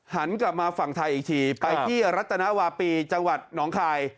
หันกลับมาฝั่งไทยอีกทีไปที่รัตนวาปีจังหวัดหนองคาย